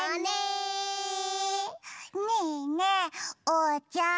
ねえねえおうちゃん。